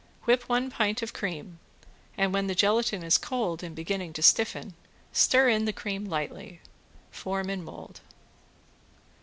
Whip one pint of cream and when the gelatin is cold and beginning to stiffen stir in the cream lightly. Form in mold.